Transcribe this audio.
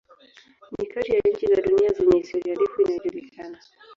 Ni kati ya nchi za dunia zenye historia ndefu inayojulikana.